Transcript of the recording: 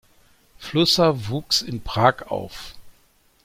Flusser wuchs in Prag auf.